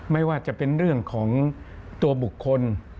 ไม่ว่าจะเป็นเรื่องของตัวบุคคล